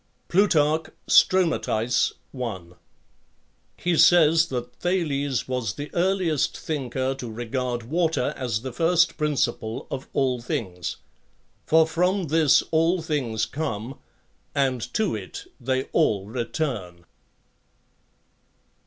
Plut. Strom.1; Dox.579.2 Hesays that Thales was the earliest thinker to regard water as the first principle of all things. For from this all things come, and to it they all return.